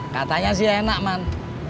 katanya sih enak man